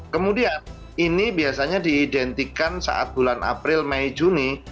kemudian ini biasanya diidentikan saat bulan april mei juni